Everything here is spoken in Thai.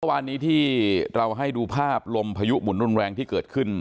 วันนี้ที่เราให้ดูภาพลมพายุหมุนรุนแรงที่เกิดขึ้น